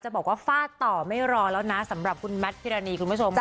บอกว่าฟาดต่อไม่รอแล้วนะสำหรับคุณแมทพิรณีคุณผู้ชมค่ะ